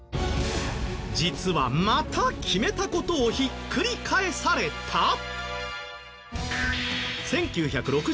実はまた決めた事をひっくり返された！？